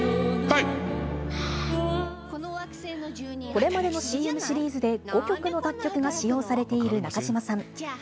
これまでのＣＭシリーズで５曲の楽曲が使用されている中島さん。